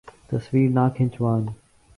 تصویر نہ کھنچوان